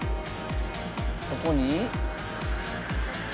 そこに。